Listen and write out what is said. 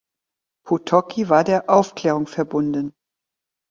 Potocki war der Aufklärung verbunden.